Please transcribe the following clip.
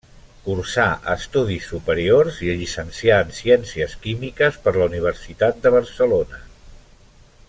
Cursà estudis superiors i es llicencià en Ciències Químiques per la Universitat de Barcelona.